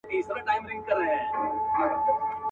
پلار یې تېر تر هدیرې سو تر قبرونو.